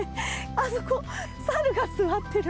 あそこ、サルが座ってる。